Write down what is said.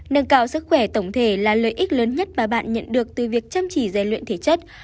nâng cao sức khỏe tổng thể là lợi ích lớn nhất mà bạn nhận được từ việc chăm chỉ rèn luyện thể chất